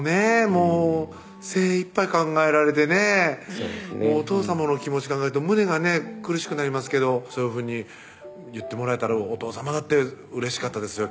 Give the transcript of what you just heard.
もう精一杯考えられてねお父さまの気持ち考えると胸がね苦しくなりますけどそういうふうに言ってもらえたらお父さまだってうれしかったですよ